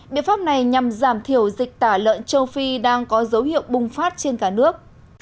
biện pháp này nhằm giảm thiểu dịch tả lợn châu phi đang có dấu hiệu bùng phát trên cả nước